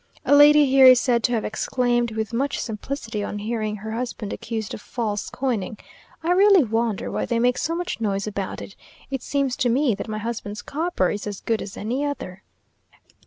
A lady here is said to have exclaimed with much simplicity on hearing her husband accused of false coining, "I really wonder why they make so much noise about it. It seems to me that my husband's copper is as good as any other!"